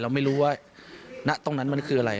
ไม่รู้ว่าณตรงนั้นมันคืออะไร